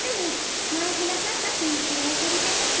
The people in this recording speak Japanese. まえはなかっぱくんにこれをかりたとき。